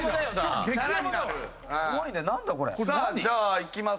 さあじゃあいきます。